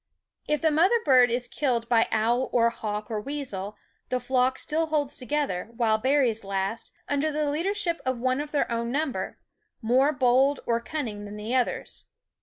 If the mother bird is killed by owl or hawk or weasel, the flock still holds together, while berries last, under the leadership of one of their own number, more bold or cunning than the others.